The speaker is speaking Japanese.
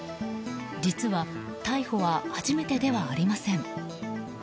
実は、逮捕は初めてではありません。